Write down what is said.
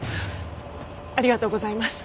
ありがとうございます。